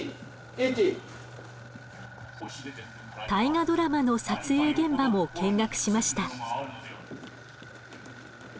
「大河ドラマ」の撮影現場も見学しました。